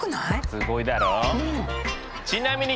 すごいだろ。